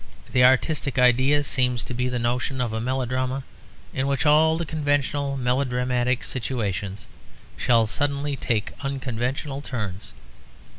The artistic idea seems to be the notion of a melodrama in which all the conventional melodramatic situations shall suddenly take unconventional turns.